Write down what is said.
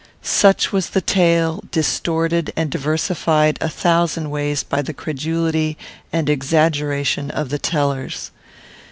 Such was the tale, distorted and diversified a thousand ways by the credulity and exaggeration of the tellers.